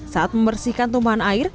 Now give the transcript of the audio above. saat membersihkan tumpahan air